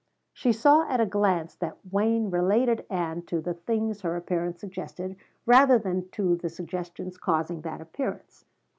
She saw at a glance that Wayne related Ann to the things her appearance suggested rather than to the suggestions causing that appearance.